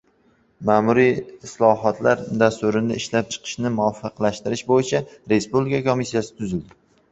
Ma’muriy islohotlar dasturini ishlab chiqishni muvofiqlashtirish bo‘yicha Respublika komissiyasi tuziladi